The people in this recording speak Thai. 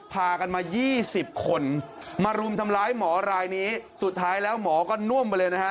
พากันมา๒๐คนมารุมทำร้ายหมอรายนี้สุดท้ายแล้วหมอก็น่วมไปเลยนะฮะ